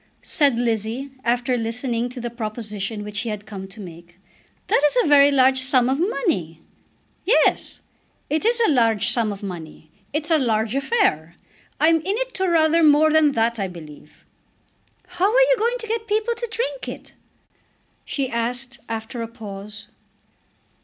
said Lizzie, after listening to the proposition which he had come to make. "That is a very large sum of money!" "Yes; it's a large sum of money. It's a large affair. I'm in it to rather more than that, I believe." "How are you to get people to drink it?" she asked after a pause.